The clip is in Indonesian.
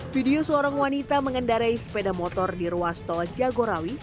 video seorang wanita mengendarai sepeda motor di ruas tol jagorawi